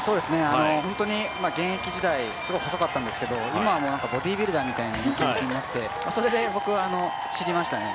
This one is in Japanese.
本当に現役時代、すごい細かったんですけど今はボディービルダーみたいな感じになっててそれで僕、知りましたね。